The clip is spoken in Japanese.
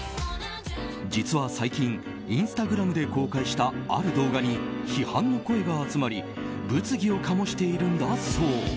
実は最近、インスタグラムで公開したある動画に批判の声が集まり物議を醸しているんだそう。